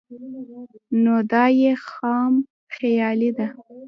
نو دا ئې خام خيالي ده